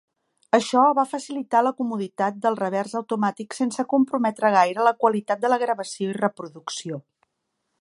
Això va facilitar la comoditat del revers automàtic sense comprometre gaire la qualitat de la gravació i reproducció.